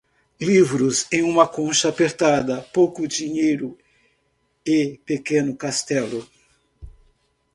Livros e uma concha apertada, pouco dinheiro e pequeno castelo.